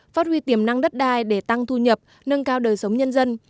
phát huy tiềm năng đất đai để tăng thu nhập nâng cao đời sống nhân dân